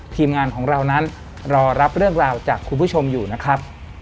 ทีมงานของเรานั้นรอรับเรื่องราวจากคุณผู้ชมอยู่นะครับ